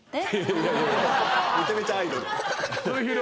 いやいやめちゃめちゃアイドル。